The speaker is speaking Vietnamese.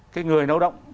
cái người lao động